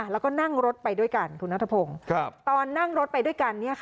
แล้วก็นั่งรถไปด้วยกันคุณนัทพงศ์ตอนนั่งรถไปด้วยกัน